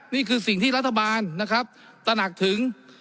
นี่คือสิ่งที่รัฐบาลตระหนักถึง